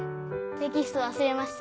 テキスト忘れました。